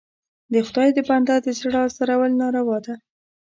د خدای د بنده د زړه ازارول ناروا ده.